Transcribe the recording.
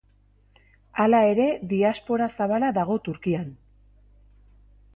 Hala ere, diaspora zabala dago Turkian.